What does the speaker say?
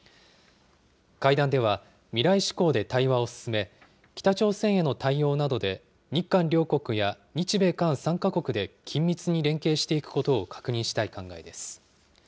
会談では、未来志向で対話を進め、北朝鮮への対応などで、日韓両国や日米韓３か国で緊密に連携していくことを確認したい考えです。